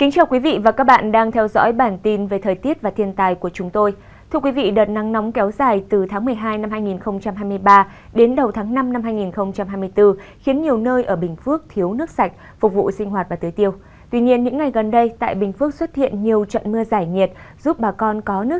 cảm ơn các bạn đã theo dõi và ủng hộ cho bình phước